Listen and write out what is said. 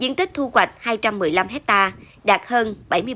diện tích thu hoạch hai trăm một mươi năm hectare đạt hơn bảy mươi bảy